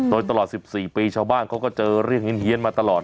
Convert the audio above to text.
โดยตลอด๑๔ปีชาวบ้านเขาก็เจอเรื่องเฮียนมาตลอด